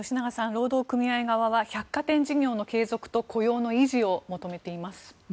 労働組合側は百貨店事業の継続と雇用の維持を求めています。